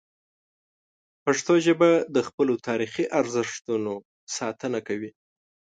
پښتو ژبه د خپلو تاریخي ارزښتونو ساتنه کوي.